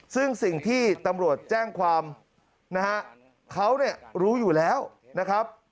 ซึ่งสิ่งที่ตำรวจแจ้งความนะฮะเขาเนี่ยรู้อยู่แล้วนะครับ